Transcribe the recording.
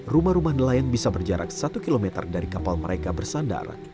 rumah rumah nelayan bisa berjarak satu km dari kapal mereka bersandar